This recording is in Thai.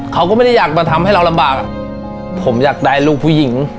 เขาก็ไม่ได้อยากมาทำให้เราลำบากอ่ะผมอยากได้ลูกผู้หญิง